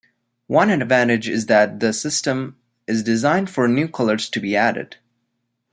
One advantage is that the system is designed for new colors to be added.